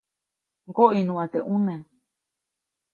ʼMgoʼiʼnuʼa teʼ ʼuneʼ.